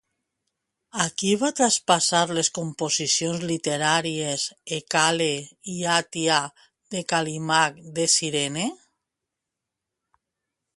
A qui va traspassar les composicions literàries Hècale i Aitia, de Cal·límac de Cirene?